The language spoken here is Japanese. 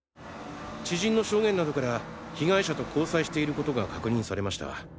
知人の証言などから被害者と交際していることが確認されました。